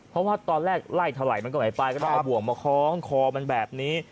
เพราะว่าตอนแรกไล่เท่าไหร่มันก็ไม่ไปก็ต้องเอาบ่วงมาคล้องคอมันแบบนี้